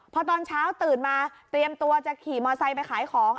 พอตอนเช้าตื่นมาเตรียมตัวจะขี่มอไซค์ไปขายของ